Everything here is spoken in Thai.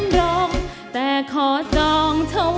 เพลงแรกของเจ้าเอ๋ง